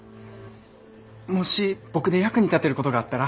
もし僕で役に立てることがあったら。